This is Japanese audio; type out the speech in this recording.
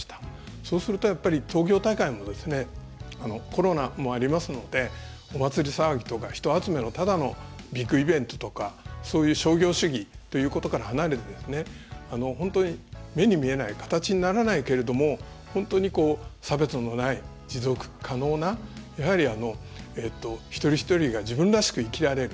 そうするとやっぱり東京大会もコロナもありますのでお祭り騒ぎとか、人集めのただのビッグイベントとかそういう商業主義ということから離れて、本当に目に見えない形にならないけれども本当に差別のない持続可能なやはり一人一人が自分らしく生きられる。